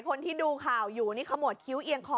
คนที่ดูข่าวอยู่นี่ขมวดคิ้วเอียงคอ